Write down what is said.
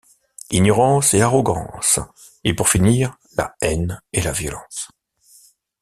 Ignorance et arrogance, et pour finir la haine et la violence.